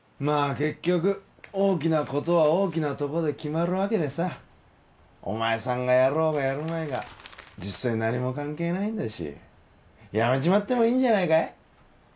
結局大きなことは大きなとこで決まるわけでさお前さんがやろうがやるまいが実際何も関係ないんだしやめちまってもいいんじゃないかい？